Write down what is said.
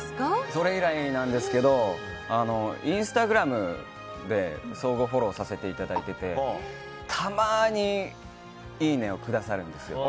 それ以来なんですけどインスタグラムで相互フォローさせていただいててたまに、いいねをくださるんです。